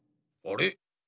あれ？